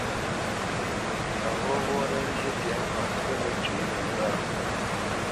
A ghɔghɔnə́ lə́ njyə́ tɛ̌ŋka nzyâ məcywǐnəŋgâʼ.